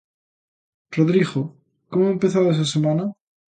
Rodrigo, como empezades a semana?